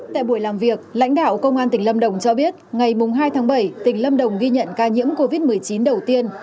tại buổi làm việc lãnh đạo công an tỉnh lâm đồng cho biết ngày hai tháng bảy tỉnh lâm đồng ghi nhận ca nhiễm covid một mươi chín đầu tiên